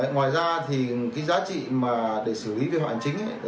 ngoài ra giá trị để xử lý hoàn chính